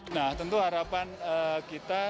nah tentu harapan kita